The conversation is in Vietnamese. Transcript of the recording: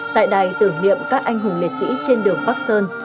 tại đài tưởng niệm các anh hùng liệt sĩ trên đường bắc sơn